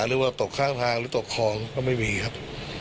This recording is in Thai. หรือว่าตกข้างทางหรือตกคลองก็ไม่มีครับ